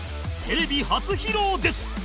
テレビ初披露です